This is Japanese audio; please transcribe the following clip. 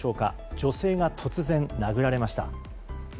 女性が突然殴られました。